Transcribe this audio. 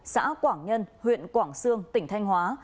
xã quảng nhân huyện quảng sương tỉnh thanh hóa